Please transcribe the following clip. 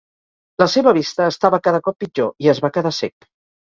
La seva vista estava cada cop pitjor i es va quedar cec.